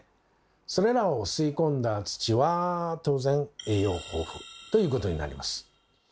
それらを吸い込んだ土は当然栄養豊富ということになります。